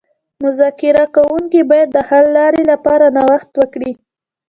مذاکره کوونکي باید د حل لارې لپاره نوښت وکړي